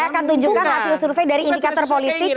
saya akan tunjukkan hasil survei dari indikator politik